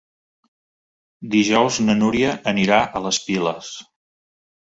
Dijous na Núria anirà a les Piles.